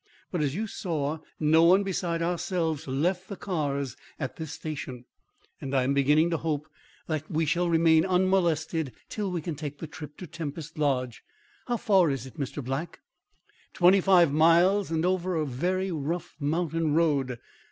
But, as you saw, no one besides ourselves left the cars at this station, and I am beginning to hope that we shall remain unmolested till we can take the trip to Tempest Lodge. How far is it, Mr. Black?" "Twenty five miles and over a very rough mountain road.